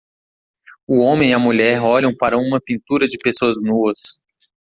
O homem e a mulher olham para uma pintura de pessoas nuas.